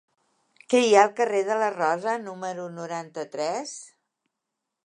Què hi ha al carrer de la Rosa número noranta-tres?